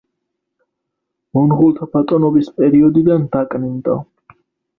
მონღოლთა ბატონობის პერიოდიდან დაკნინდა.